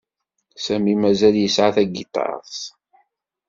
Sami mazal yesɛa tagiṭart-s.